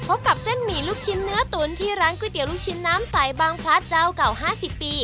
พบกับเส้นหมี่ลูกชิ้นเนื้อตุ๋นที่ร้านก๋วยเตี๋ยวลูกชิ้นน้ำใสบางพลัดเจ้าเก่า๕๐ปี